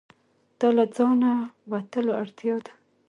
دا له ځانه وتلو اړتیا ده.